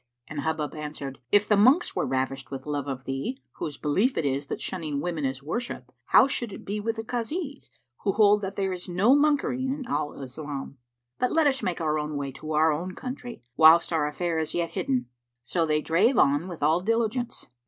and Hubub answered, "If the monks were ravished with love of thee, whose belief it is that shunning women is worship, how should it be with the Kazis, who hold that there is no monkery in Al Islam? But let us make our way to our own country, whilst our affair is yet hidden." So they drave on with all diligence.